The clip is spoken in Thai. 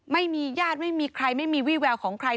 ไม่มีญาติไม่มีใครไม่มีวี่แววของใคร